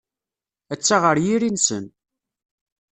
Atta ɣer yiri-nsen.